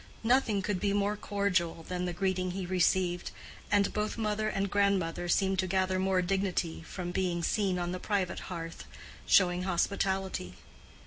Nothing could be more cordial than the greeting he received, and both mother and grandmother seemed to gather more dignity from being seen on the private hearth, showing hospitality.